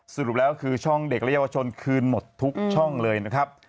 สรุปแล้วคือช่องเด็กและเยาวชนคืนหมดทุกช่องเลยนะครับ